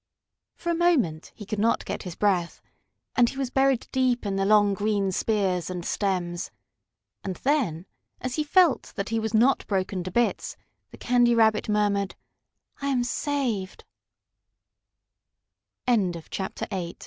For a moment he could not get his breath, and he was buried deep in the long, green spears and stems. And then, as he felt that he was not broken to bits, the Candy Rabbit murmured: "I am saved!" CHAPTER